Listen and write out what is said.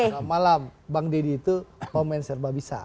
selamat malam bang deddy itu komen serba bisa